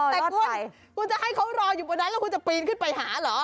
แต่คุณคุณจะให้เขารออยู่บนนั้นแล้วคุณจะปีนขึ้นไปหาเหรอ